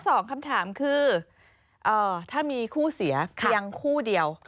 สองคำถามคือถ้ามีคู่เสียเพียงคู่เดียว